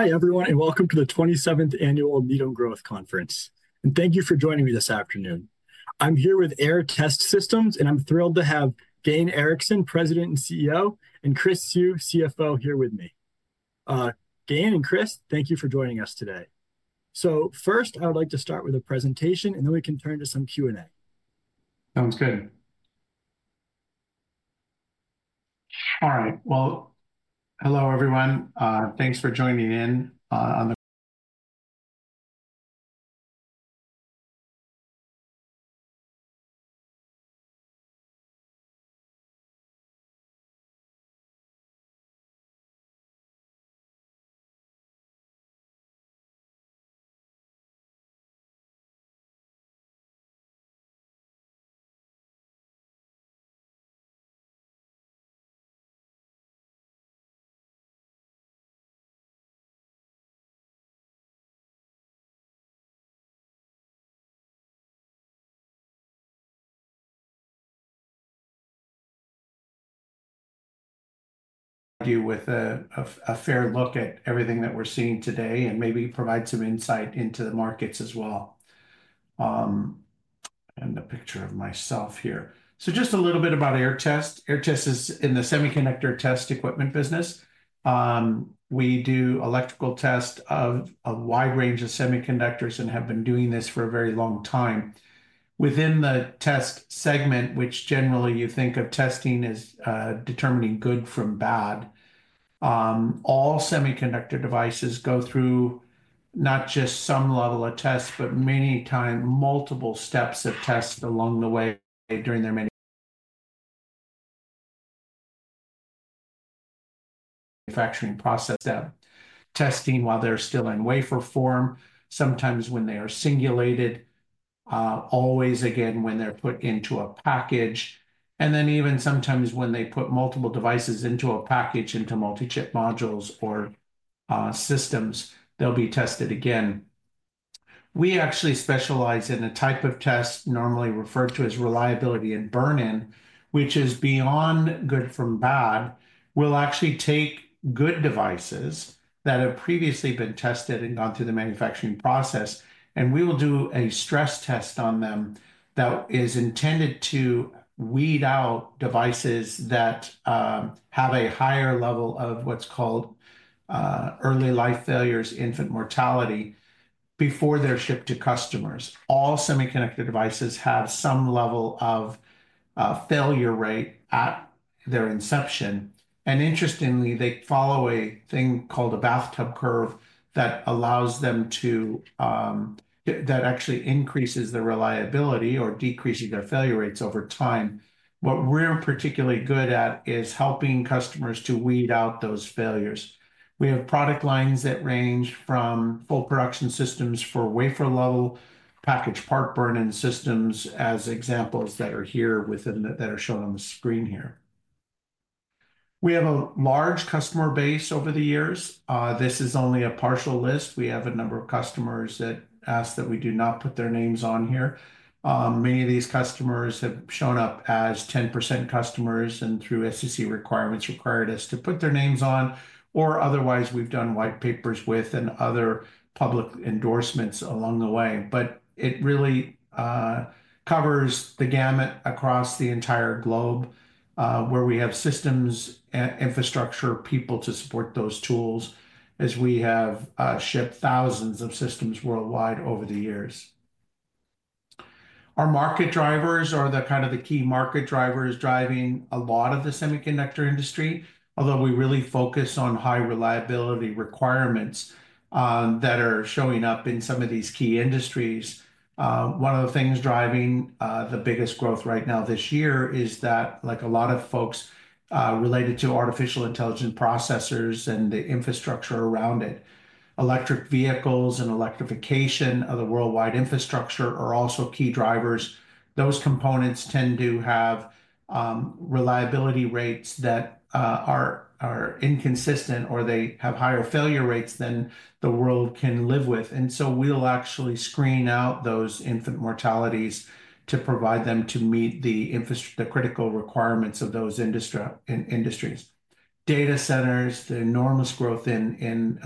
Hi, everyone, and welcome to the 27th Annual Needham Growth Conference. And thank you for joining me this afternoon. I'm here with Aehr Test Systems, and I'm thrilled to have Gayn Erickson, President and CEO, and Chris Siu, CFO, here with me. Gayn and Chris, thank you for joining us today. So first, I would like to start with a presentation, and then we can turn to some Q&A. Sounds good. All right. Hello, everyone. Thanks for joining in on the with a fair look at everything that we're seeing today and maybe provide some insight into the markets as well, and a picture of myself here. So just a little bit about Aehr Test. Aehr Test is in the semiconductor test equipment business. We do electrical tests of a wide range of semiconductors and have been doing this for a very long time. Within the test segment, which generally you think of testing as determining good from bad, all semiconductor devices go through not just some level of test, but many times multiple steps of tests along the way during their manufacturing process, step testing while they're still in wafer form, sometimes when they are singulated, always again when they're put into a package. And then even sometimes when they put multiple devices into a package, into multi-chip modules or systems, they'll be tested again. We actually specialize in a type of test normally referred to as reliability and burn-in, which is beyond good from bad. We'll actually take good devices that have previously been tested and gone through the manufacturing process, and we will do a stress test on them that is intended to weed out devices that have a higher level of what's called early life failures, infant mortality, before they're shipped to customers. All semiconductor devices have some level of failure rate at their inception. And interestingly, they follow a thing called a bathtub curve that allows them to, that actually increases the reliability or decreases their failure rates over time. What we're particularly good at is helping customers to weed out those failures. We have product lines that range from full production systems for wafer level package part burn-in systems as examples that are here within that are shown on the screen here. We have a large customer base over the years. This is only a partial list. We have a number of customers that ask that we do not put their names on here. Many of these customers have shown up as 10% customers and through SEC requirements required us to put their names on, or otherwise we've done white papers with and other public endorsements along the way. But it really covers the gamut across the entire globe where we have systems, infrastructure, people to support those tools as we have shipped thousands of systems worldwide over the years. Our market drivers are the kind of the key market drivers driving a lot of the semiconductor industry, although we really focus on high reliability requirements that are showing up in some of these key industries. One of the things driving the biggest growth right now this year is that, like a lot of folks related to artificial intelligence processors and the infrastructure around it, electric vehicles and electrification of the worldwide infrastructure are also key drivers. Those components tend to have reliability rates that are inconsistent or they have higher failure rates than the world can live with. And so we'll actually screen out those infant mortalities to provide them to meet the critical requirements of those industries. Data centers, the enormous growth in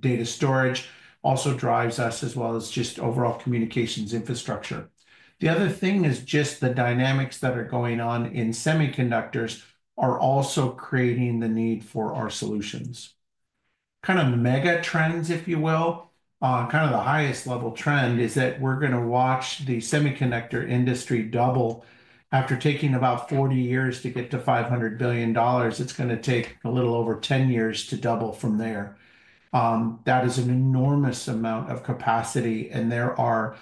data storage also drives us as well as just overall communications infrastructure. The other thing is just the dynamics that are going on in semiconductors are also creating the need for our solutions. Kind of mega trends, if you will, kind of the highest level trend is that we're going to watch the semiconductor industry double. After taking about 40 years to get to $500 billion, it's going to take a little over 10 years to double from there. That is an enormous amount of capacity, and there are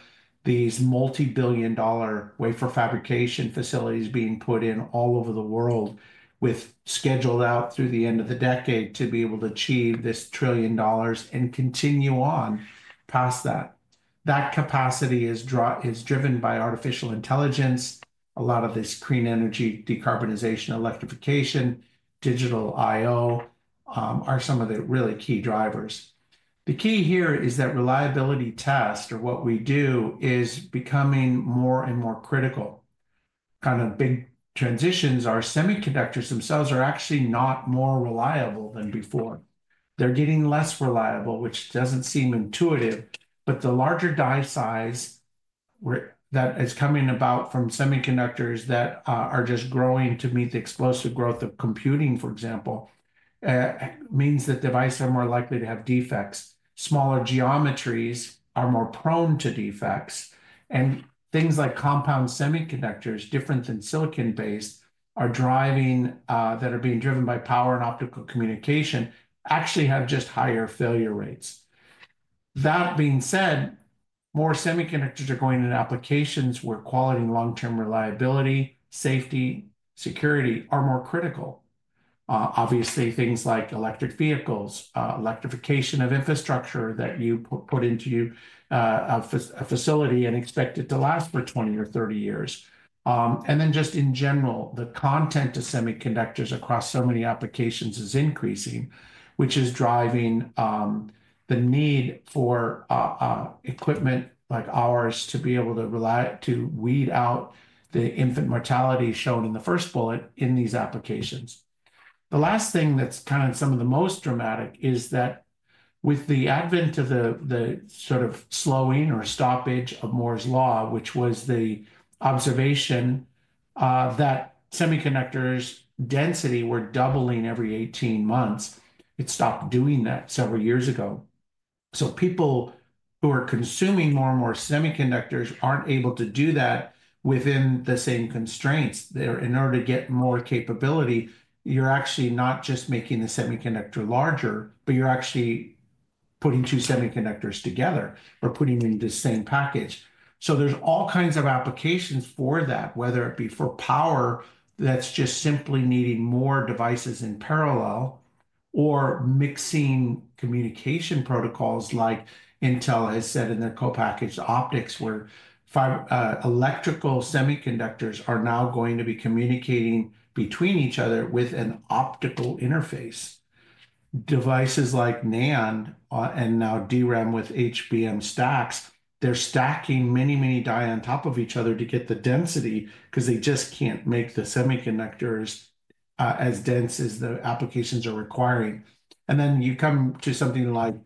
these multi-billion-dollar wafer fabrication facilities being put in all over the world with scheduled out through the end of the decade to be able to achieve this trillion dollars and continue on past that. That capacity is driven by artificial intelligence. A lot of this clean energy decarbonization, electrification, digital/IO are some of the really key drivers. The key here is that reliability test or what we do is becoming more and more critical. Kind of big transitions are semiconductors themselves are actually not more reliable than before. They're getting less reliable, which doesn't seem intuitive, but the larger die size that is coming about from semiconductors that are just growing to meet the explosive growth of computing, for example, means that devices are more likely to have defects. Smaller geometries are more prone to defects, and things like compound semiconductors, different than silicon-based, are driving that are being driven by power and optical communication actually have just higher failure rates. That being said, more semiconductors are going into applications where quality, long-term reliability, safety, security are more critical. Obviously, things like electric vehicles, electrification of infrastructure that you put into a facility and expect it to last for 20 or 30 years. And then just in general, the content of semiconductors across so many applications is increasing, which is driving the need for equipment like ours to be able to weed out the infant mortality shown in the first bullet in these applications. The last thing that's kind of some of the most dramatic is that with the advent of the sort of slowing or stoppage of Moore's Law, which was the observation that semiconductors' density were doubling every 18 months, it stopped doing that several years ago. So people who are consuming more and more semiconductors aren't able to do that within the same constraints. In order to get more capability, you're actually not just making the semiconductor larger, but you're actually putting two semiconductors together or putting them in the same package. So there's all kinds of applications for that, whether it be for power that's just simply needing more devices in parallel or mixing communication protocols like Intel has said in their co-packaged optics where electrical semiconductors are now going to be communicating between each other with an optical interface. Devices like NAND and now DRAM with HBM stacks, they're stacking many, many die on top of each other to get the density because they just can't make the semiconductors as dense as the applications are requiring. And then you come to something like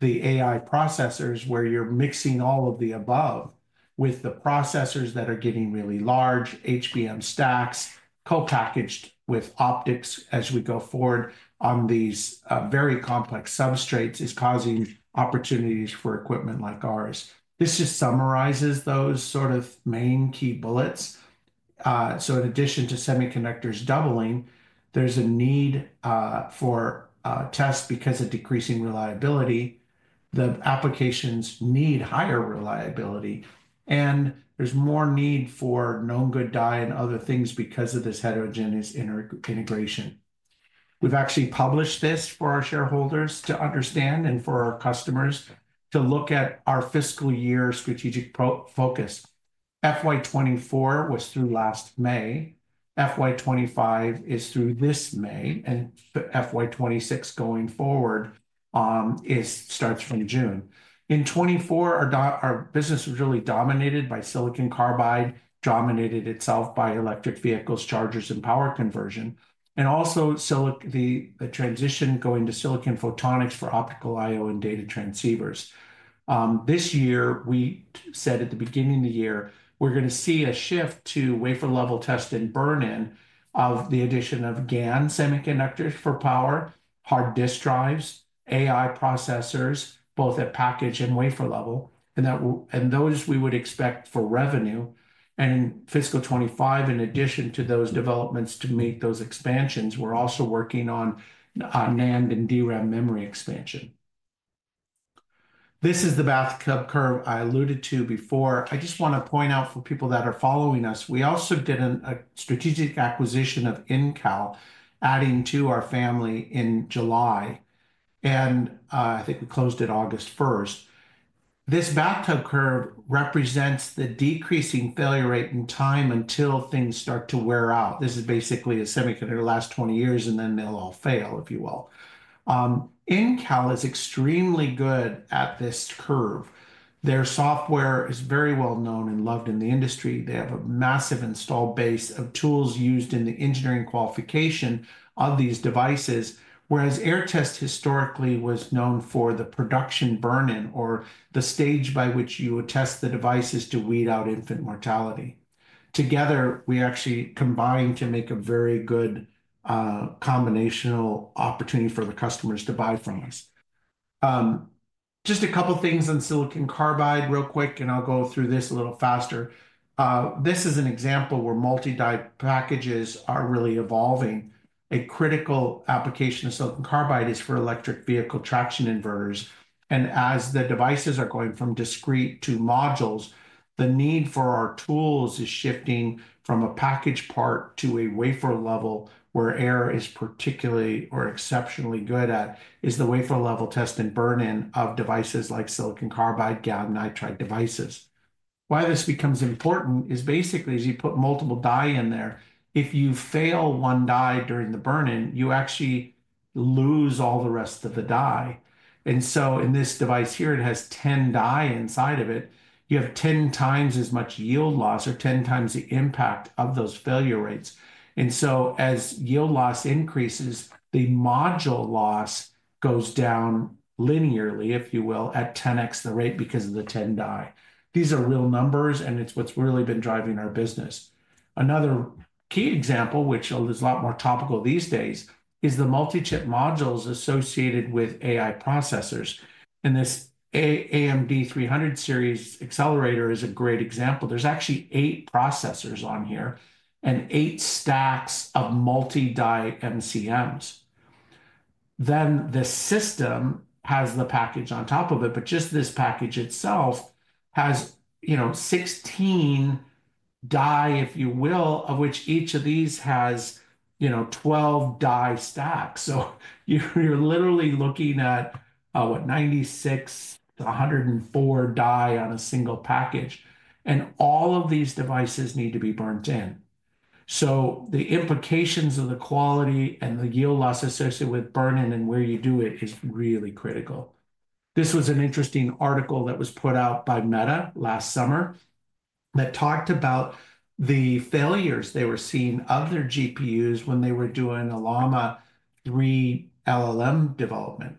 the AI processors where you're mixing all of the above with the processors that are getting really large, HBM stacks, co-packaged with optics as we go forward on these very complex substrates is causing opportunities for equipment like ours. This just summarizes those sort of main key bullets. So in addition to semiconductors doubling, there's a need for tests because of decreasing reliability. The applications need higher reliability. And there's more need for known good die and other things because of this heterogeneous integration. We've actually published this for our shareholders to understand and for our customers to look at our fiscal year strategic focus. FY24 was through last May. FY25 is through this May. And FY26 going forward starts from June. In 2024, our business was really dominated by silicon carbide, dominated itself by electric vehicles, chargers, and power conversion, and also the transition going to silicon photonics for optical I/O and data transceivers. This year, we said at the beginning of the year, we're going to see a shift to wafer level test and burn-in of the addition of GaN semiconductors for power, hard disk drives, AI processors, both at package and wafer level. Those we would expect for revenue. In fiscal 2025, in addition to those developments to meet those expansions, we're also working on NAND and DRAM memory expansion. This is the bathtub curve I alluded to before. I just want to point out for people that are following us, we also did a strategic acquisition of Incal adding to our family in July. I think we closed it August 1st. This bathtub curve represents the decreasing failure rate in time until things start to wear out. This is basically a semiconductor last 20 years and then they'll all fail, if you will. Intel is extremely good at this curve. Their software is very well known and loved in the industry. They have a massive installed base of tools used in the engineering qualification of these devices, whereas Aehr Test historically was known for the production burn-in or the stage by which you would test the devices to weed out infant mortality. Together, we actually combine to make a very good combinational opportunity for the customers to buy from us. Just a couple of things on silicon carbide real quick, and I'll go through this a little faster. This is an example where multi-die packages are really evolving. A critical application of silicon carbide is for electric vehicle traction inverters, and as the devices are going from discrete to modules, the need for our tools is shifting from a package part to a wafer level where Aehr is particularly or exceptionally good at is the wafer level test and burn-in of devices like silicon carbide, GaN nitride devices. Why this becomes important is basically as you put multiple die in there, if you fail one die during the burn-in, you actually lose all the rest of the die, and so in this device here, it has 10 die inside of it. You have 10 times as much yield loss or 10 times the impact of those failure rates, and so as yield loss increases, the module loss goes down linearly, if you will, at 10x the rate because of the 10 die. These are real numbers, and it's what's really been driving our business. Another key example, which is a lot more topical these days, is the multi-chip modules associated with AI processors, and this AMD 300 series accelerator is a great example. There's actually eight processors on here and eight stacks of multi-die MCMs. Then the system has the package on top of it, but just this package itself has 16 die, if you will, of which each of these has 12 die stacks. So you're literally looking at, what, 96-104 die on a single package. And all of these devices need to be burned in. So the implications of the quality and the yield loss associated with burn-in and where you do it is really critical. This was an interesting article that was put out by Meta last summer that talked about the failures they were seeing of their GPUs when they were doing a Llama 3 LLM development.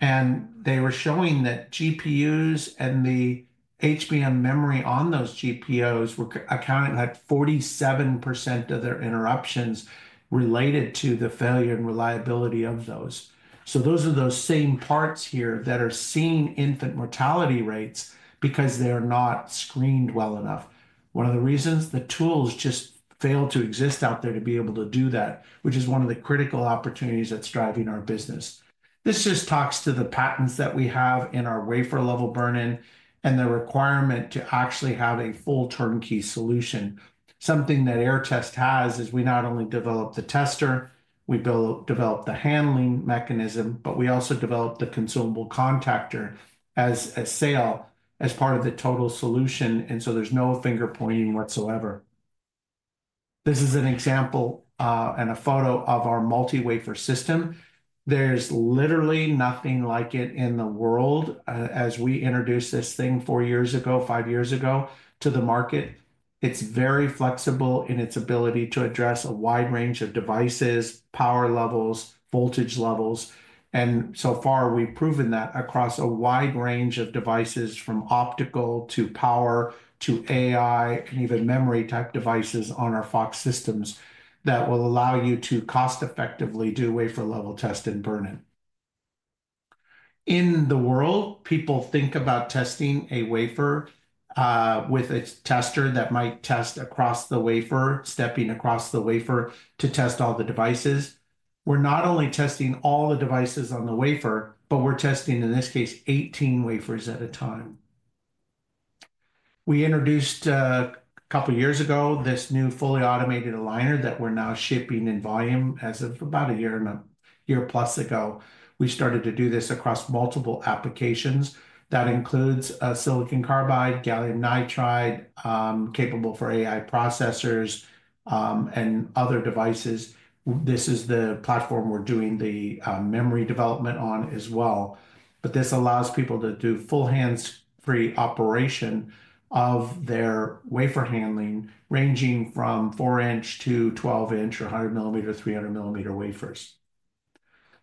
And they were showing that GPUs and the HBM memory on those GPUs were accounting for 47% of their interruptions related to the failure and reliability of those. So those are those same parts here that are seeing infant mortality rates because they are not screened well enough. One of the reasons the tools just fail to exist out there to be able to do that, which is one of the critical opportunities that's driving our business. This just talks to the patents that we have in our wafer level burn-in and the requirement to actually have a full turnkey solution. Something that Aehr Test has is we not only develop the tester, we develop the handling mechanism, but we also develop the consumable contactor as a sale as part of the total solution. And so there's no finger pointing whatsoever. This is an example and a photo of our multi-wafer system. There's literally nothing like it in the world as we introduced this thing four years ago, five years ago to the market. It's very flexible in its ability to address a wide range of devices, power levels, voltage levels, and so far, we've proven that across a wide range of devices from optical to power to AI and even memory type devices on our FOX Systems that will allow you to cost-effectively do wafer level test and burn-in. In the world, people think about testing a wafer with a tester that might test across the wafer, stepping across the wafer to test all the devices. We're not only testing all the devices on the wafer, but we're testing, in this case, 18 wafers at a time. We introduced a couple of years ago this new fully automated aligner that we're now shipping in volume as of about a year and a year plus ago. We started to do this across multiple applications. That includes silicon carbide, gallium nitride, capable for AI processors, and other devices. This is the platform we're doing the memory development on as well. But this allows people to do full hands-free operation of their wafer handling, ranging from 4-inch to 12-inch or 100-millimeter, 300-millimeter wafers.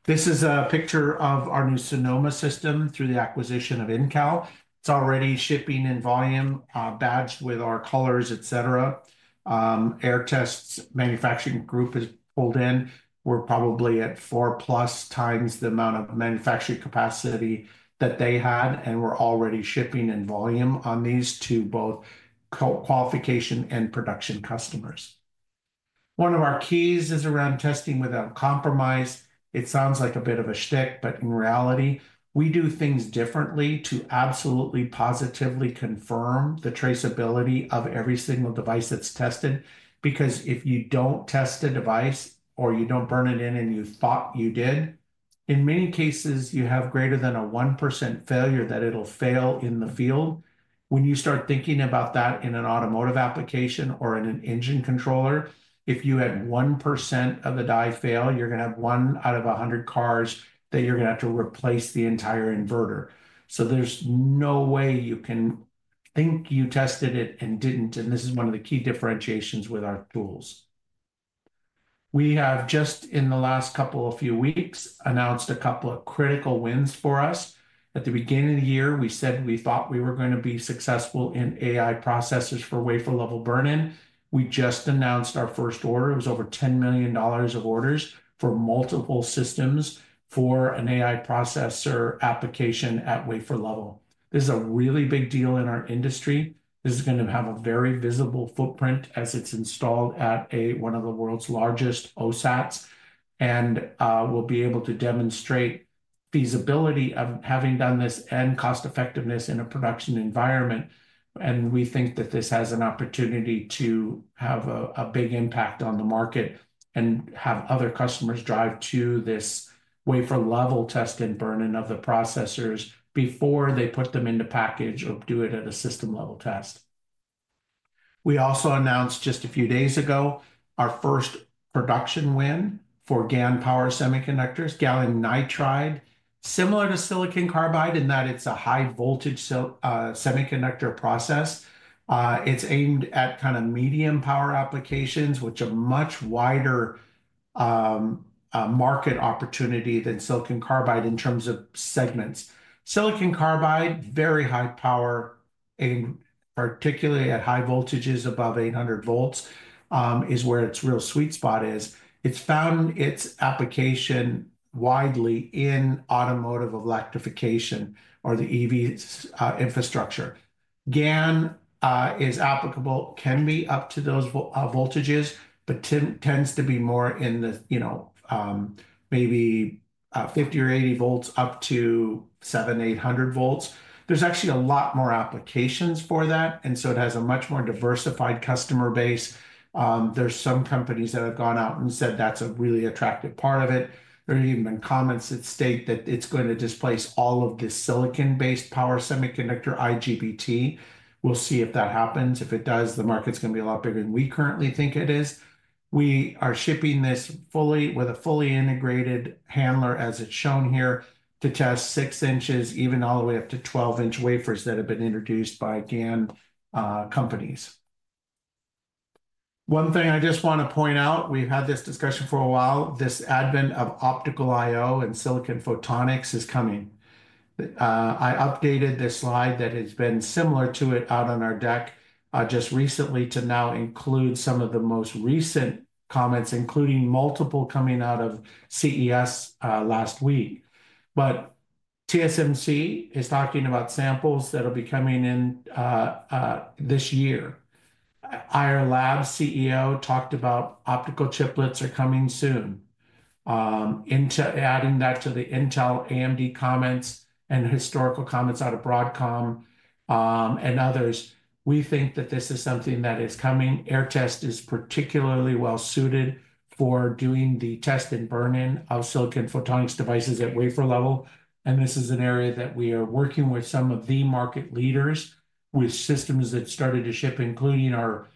This is a picture of our new Sonoma system through the acquisition of Incal Technology. It's already shipping in volume, badged with our colors, etc. Aehr Test's manufacturing group is pulled in. We're probably at four plus times the amount of manufacturing capacity that they had, and we're already shipping in volume on these to both qualification and production customers. One of our keys is around testing without compromise. It sounds like a bit of a shtick, but in reality, we do things differently to absolutely positively confirm the traceability of every single device that's tested. Because if you don't test a device or you don't burn it in and you thought you did, in many cases, you have greater than a 1% failure that it'll fail in the field. When you start thinking about that in an automotive application or in an engine controller, if you had 1% of the die fail, you're going to have one out of 100 cars that you're going to have to replace the entire inverter. There's no way you can think you tested it and didn't. This is one of the key differentiations with our tools. We have just in the last few weeks announced a couple of critical wins for us. At the beginning of the year, we said we thought we were going to be successful in AI processors for wafer level burn-in. We just announced our first order. It was over $10 million of orders for multiple systems for an AI processor application at wafer level. This is a really big deal in our industry. This is going to have a very visible footprint as it's installed at one of the world's largest OSATs, and we'll be able to demonstrate feasibility of having done this and cost-effectiveness in a production environment, and we think that this has an opportunity to have a big impact on the market and have other customers drive to this wafer level test and burn-in of the processors before they put them into package or do it at a system level test. We also announced just a few days ago our first production win for GaN power semiconductors, Gallium Nitride, similar to Silicon Carbide in that it's a high-voltage semiconductor process. It's aimed at kind of medium power applications, which are a much wider market opportunity than silicon carbide in terms of segments. Silicon carbide, very high power, and particularly at high voltages above 800 volts is where its real sweet spot is. It's found its application widely in automotive electrification or the EV infrastructure. GaN is applicable, can be up to those voltages, but tends to be more in the maybe 50-80 volts up to 700-800 volts. There's actually a lot more applications for that. And so it has a much more diversified customer base. There's some companies that have gone out and said that's a really attractive part of it. There have even been comments that state that it's going to displace all of the silicon-based power semiconductor, IGBT. We'll see if that happens. If it does, the market's going to be a lot bigger than we currently think it is. We are shipping this fully with a fully integrated handler as it's shown here to test 6-inch, even all the way up to 12-inch wafers that have been introduced by GaN companies. One thing I just want to point out, we've had this discussion for a while, this advent of optical IO and silicon photonics is coming. I updated this slide that has been similar to it out on our deck just recently to now include some of the most recent comments, including multiple coming out of CES last week. But TSMC is talking about samples that will be coming in this year. Ayar Labs CEO talked about optical chiplets are coming soon. Adding that to the Intel AMD comments and historical comments out of Broadcom and others, we think that this is something that is coming. Aehr Test is particularly well suited for doing the test and burn-in of silicon photonics devices at wafer level, and this is an area that we are working with some of the market leaders with systems that started to ship, including our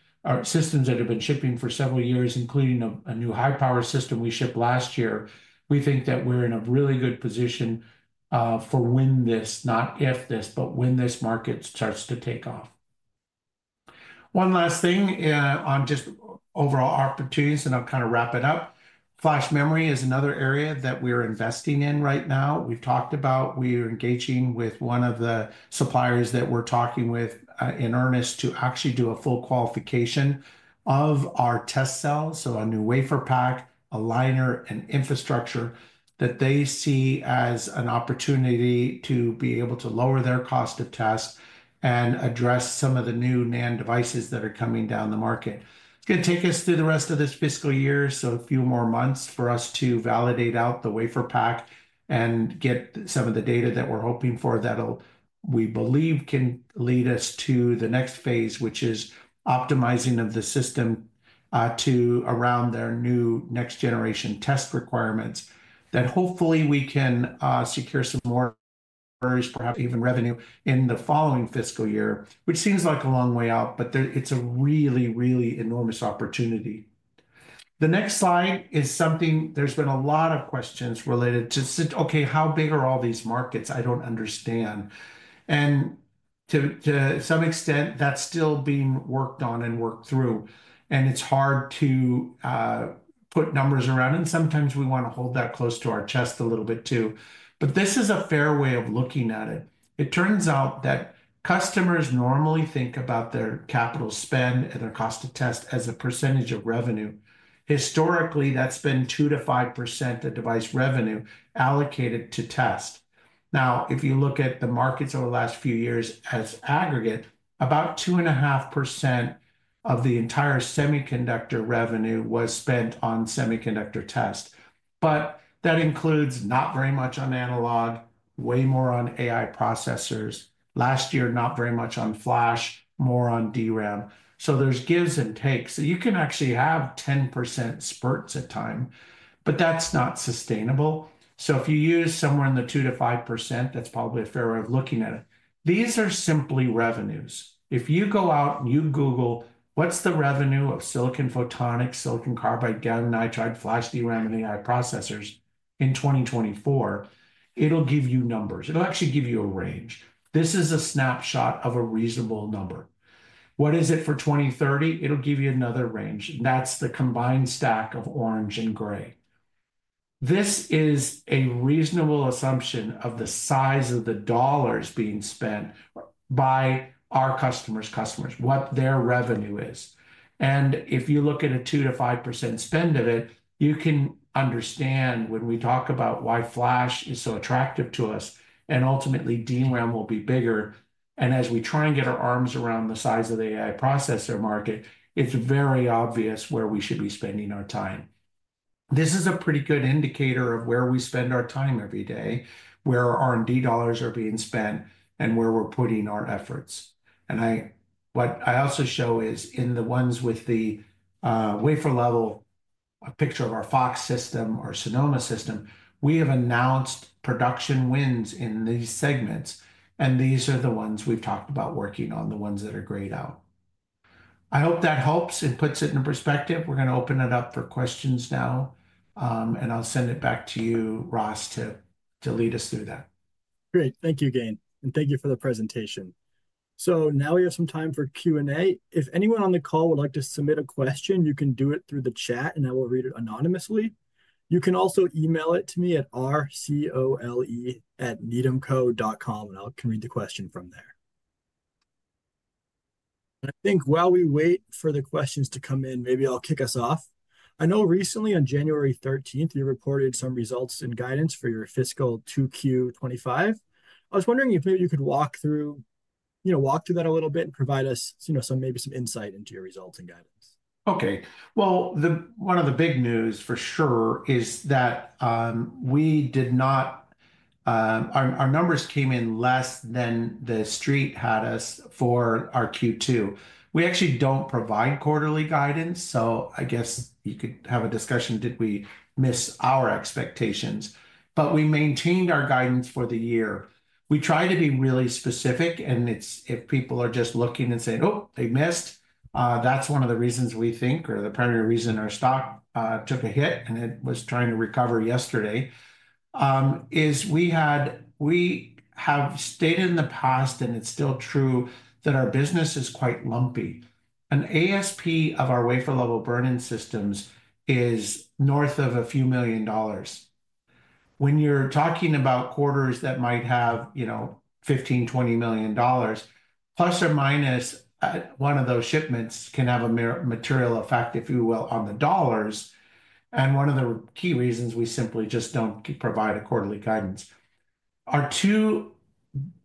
systems that have been shipping for several years, including a new high-power system we shipped last year. We think that we're in a really good position for when this, not if this, but when this market starts to take off. One last thing on just overall opportunities, and I'll kind of wrap it up. Flash memory is another area that we are investing in right now. We've talked about we are engaging with one of the suppliers that we're talking with in earnest to actually do a full qualification of our test cells, so a new WaferPak, aligner, and infrastructure that they see as an opportunity to be able to lower their cost of test and address some of the new NAND devices that are coming down the market. It's going to take us through the rest of this fiscal year, so a few more months for us to validate out the WaferPak and get some of the data that we're hoping for that we believe can lead us to the next phase, which is optimizing of the system around their new next-generation test requirements. That hopefully we can secure some more perhaps even revenue in the following fiscal year, which seems like a long way out, but it's a really, really enormous opportunity. The next slide is something there's been a lot of questions related to, okay, how big are all these markets? I don't understand. And to some extent, that's still being worked on and worked through. And it's hard to put numbers around. And sometimes we want to hold that close to our chest a little bit too. But this is a fair way of looking at it. It turns out that customers normally think about their capital spend and their cost of test as a percentage of revenue. Historically, that's been 2%-5% of device revenue allocated to test. Now, if you look at the markets over the last few years as aggregate, about 2.5% of the entire semiconductor revenue was spent on semiconductor test. But that includes not very much on analog, way more on AI processors. Last year, not very much on flash, more on DRAM. So there's gives and takes. So you can actually have 10% spurts at times, but that's not sustainable. So if you use somewhere in the 2%-5%, that's probably a fair way of looking at it. These are simply revenues. If you go out and you Google what's the revenue of silicon photonics, silicon carbide, gallium nitride, flash DRAM, and AI processors in 2024, it'll give you numbers. It'll actually give you a range. This is a snapshot of a reasonable number. What is it for 2030? It'll give you another range. And that's the combined stack of orange and gray. This is a reasonable assumption of the size of the dollars being spent by our customers' customers, what their revenue is. And if you look at a 2%-5% spend of it, you can understand when we talk about why flash is so attractive to us and ultimately DRAM will be bigger. And as we try and get our arms around the size of the AI processor market, it's very obvious where we should be spending our time. This is a pretty good indicator of where we spend our time every day, where our R&D dollars are being spent, and where we're putting our efforts. And what I also show is, in the ones with the wafer level, a picture of our Fox system or Sonoma system. We have announced production wins in these segments. These are the ones we've talked about working on, the ones that are grayed out. I hope that helps and puts it in perspective. We're going to open it up for questions now. And I'll send it back to you, Ross, to lead us through that. Great. Thank you, Gayn. And thank you for the presentation. So now we have some time for Q&A. If anyone on the call would like to submit a question, you can do it through the chat, and I will read it anonymously. You can also email it to me at rcole@needhamco.com, and I can read the question from there. I think while we wait for the questions to come in, maybe I'll kick us off. I know recently on January 13th, you reported some results and guidance for your fiscal 2Q25. I was wondering if maybe you could walk through that a little bit and provide us maybe some insight into your results and guidance. Okay. Well, one of the big news for sure is that we did not, our numbers came in less than the street had us for our Q2. We actually don't provide quarterly guidance, so I guess you could have a discussion, did we miss our expectations? But we maintained our guidance for the year. We try to be really specific, and if people are just looking and saying, "Oh, they missed," that's one of the reasons we think, or the primary reason our stock took a hit and it was trying to recover yesterday, is we have stated in the past, and it's still true, that our business is quite lumpy. An ASP of our wafer level burn-in systems is north of a few million dollars. When you're talking about quarters that might have $15 to $20 million, plus or minus, one of those shipments can have a material effect, if you will, on the dollars. One of the key reasons we simply just don't provide a quarterly guidance. Our two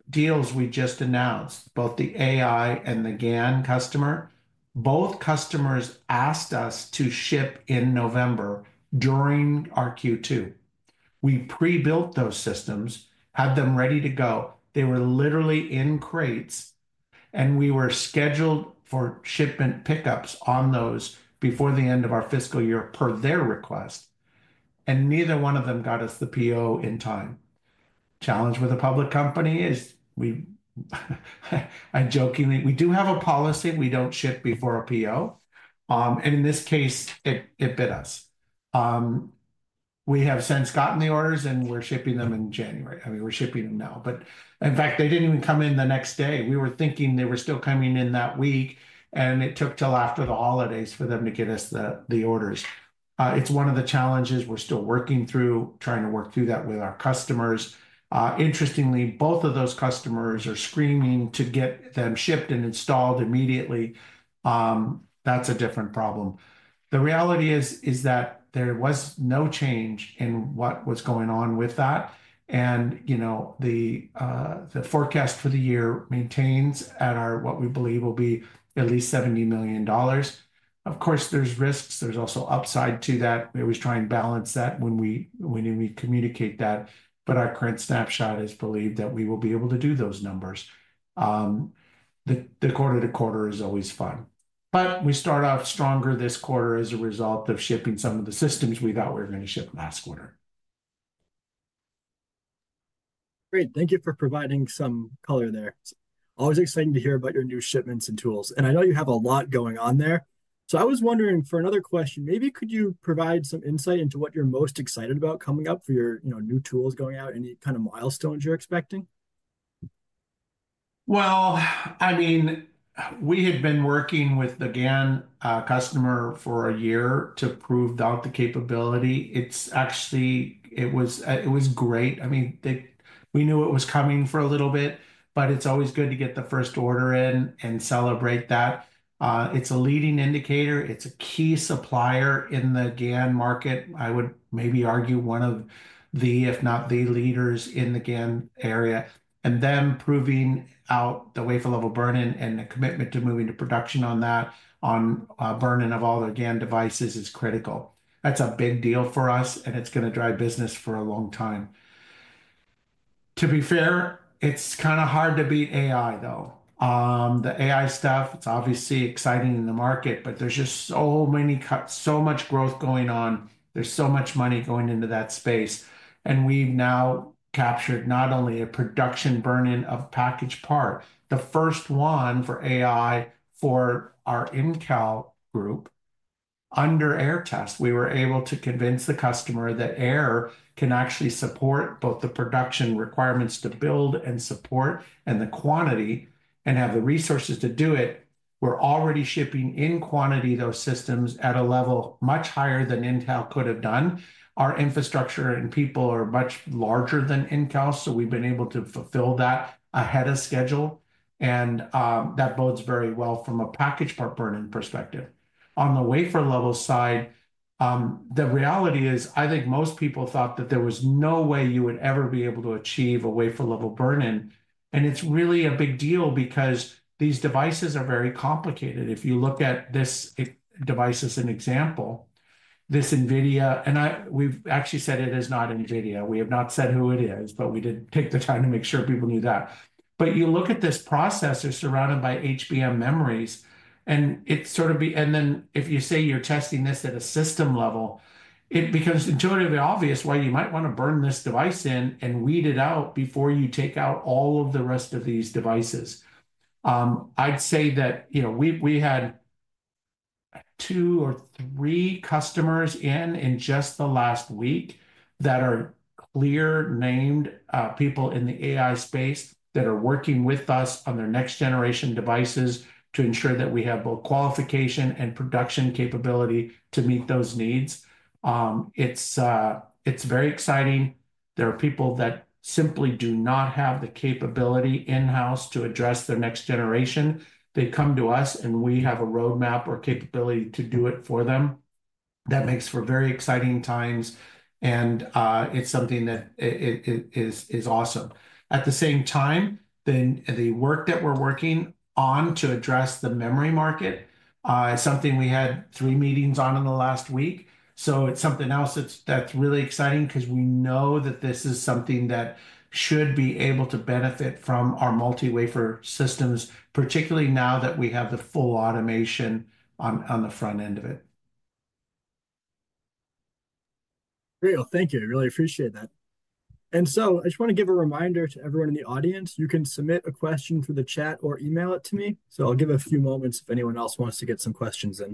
deals we just announced, both the AI and the GaN customer, both customers asked us to ship in November during our Q2. We pre-built those systems, had them ready to go. They were literally in crates, and we were scheduled for shipment pickups on those before the end of our fiscal year per their request. Neither one of them got us the PO in time. Challenge with a public company is, I jokingly, we do have a policy. We don't ship before a PO. In this case, it bit us. We have since gotten the orders, and we're shipping them in January. I mean, we're shipping them now. But in fact, they didn't even come in the next day. We were thinking they were still coming in that week, and it took till after the holidays for them to get us the orders. It's one of the challenges we're still working through, trying to work through that with our customers. Interestingly, both of those customers are screaming to get them shipped and installed immediately. That's a different problem. The reality is that there was no change in what was going on with that. The forecast for the year maintains at what we believe will be at least $70 million. Of course, there's risks. There's also upside to that. We always try and balance that when we communicate that. But our current snapshot is believed that we will be able to do those numbers. The quarter to quarter is always fun. But we start off stronger this quarter as a result of shipping some of the systems we thought we were going to ship last quarter. Great. Thank you for providing some color there. Always exciting to hear about your new shipments and tools. And I know you have a lot going on there. So I was wondering for another question, maybe could you provide some insight into what you're most excited about coming up for your new tools going out, any kind of milestones you're expecting? Well, I mean, we had been working with the GaN customer for a year to prove out the capability. It was great. I mean, we knew it was coming for a little bit, but it's always good to get the first order in and celebrate that. It's a leading indicator. It's a key supplier in the GaN market. I would maybe argue one of the, if not the leaders in the GaN area, and them proving out the wafer level burn-in and the commitment to moving to production on that, on burn-in of all the GaN devices is critical. That's a big deal for us, and it's going to drive business for a long time. To be fair, it's kind of hard to beat AI, though. The AI stuff, it's obviously exciting in the market, but there's just so much growth going on. There's so much money going into that space. We've now captured not only a production burn-in of package part, the first one for AI for our Incal group under Aehr Test. We were able to convince the customer that Aehr can actually support both the production requirements to build and support and the quantity and have the resources to do it. We're already shipping in quantity those systems at a level much higher than Incal could have done. Our infrastructure and people are much larger than Incal, so we've been able to fulfill that ahead of schedule. That bodes very well from a package part burn-in perspective. On the wafer level side, the reality is I think most people thought that there was no way you would ever be able to achieve a wafer level burn-in. It's really a big deal because these devices are very complicated. If you look at this device as an example, this NVIDIA, and we've actually said it is not NVIDIA. We have not said who it is, but we did take the time to make sure people knew that. But you look at this processor surrounded by HBM memories, and it sort of and then if you say you're testing this at a system level, it becomes intuitively obvious why you might want to burn this device in and weed it out before you take out all of the rest of these devices. I'd say that we had two or three customers in just the last week that are clear-named people in the AI space that are working with us on their next-generation devices to ensure that we have both qualification and production capability to meet those needs. It's very exciting. There are people that simply do not have the capability in-house to address their next generation. They come to us, and we have a roadmap or capability to do it for them. That makes for very exciting times, and it's something that is awesome. At the same time, the work that we're working on to address the memory market is something we had three meetings on in the last week. So it's something else that's really exciting because we know that this is something that should be able to benefit from our multi-wafer systems, particularly now that we have the full automation on the front end of it. Great. Well, thank you. I really appreciate that. And so I just want to give a reminder to everyone in the audience. You can submit a question through the chat or email it to me. So I'll give a few moments if anyone else wants to get some questions in.